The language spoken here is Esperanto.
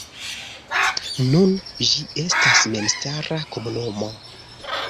Nun ĝi estas memstara komunumo.